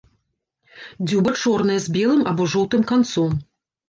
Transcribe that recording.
Дзюба чорная, з белым або жоўтым канцом.